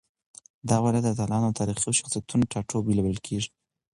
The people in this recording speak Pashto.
دا ولايت د اتلانو او تاريخي شخصيتونو ټاټوبی بلل کېږي.